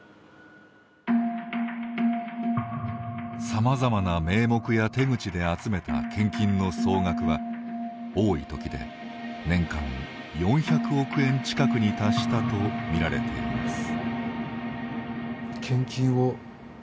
さまざまな名目や手口で集めた献金の総額は多い時で、年間４００億円近くに達したとみられています。